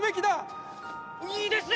いいですね